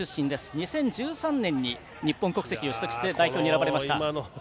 ２０１３年に日本国籍を取得して代表に選ばれました。